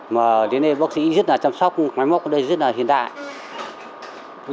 mà đến đây bác sĩ rất là chăm sóc máy móc ở đây rất là hiện đại